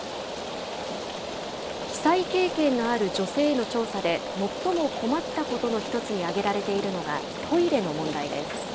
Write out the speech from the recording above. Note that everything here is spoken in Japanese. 被災経験のある女性への調査で、最も困ったことの一つに挙げられているのが、トイレの問題です。